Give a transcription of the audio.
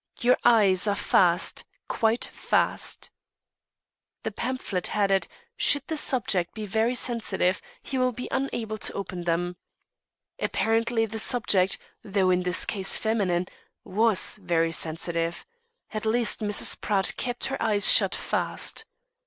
"Your eyes are fast, quite fast." The pamphlet had it, "Should the subject be very sensitive he will be unable to open them." Apparently the subject, though in this case feminine, was very sensitive. At least Mrs. Pratt kept her eyes shut fast.